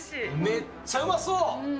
めっちゃうまそう。